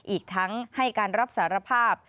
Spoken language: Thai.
อีกทั้งให้การรับสารภาพ